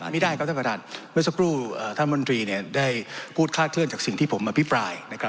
ไม่ได้ครับท่านประธานเมื่อสักครู่ท่านมนตรีเนี่ยได้พูดคาดเคลื่อนจากสิ่งที่ผมอภิปรายนะครับ